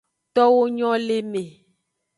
Towo nyo le me.